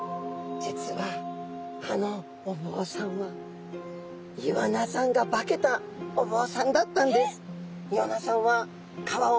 実はあのお坊さんはイワナさんが化けたお坊さんだったんです。